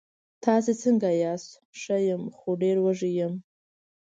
تاسې څنګه یاست؟ ښه یم، خو ډېر وږی یم.